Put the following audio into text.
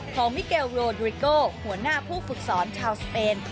มิเกลโรดริโกหัวหน้าผู้ฝึกสอนชาวสเปน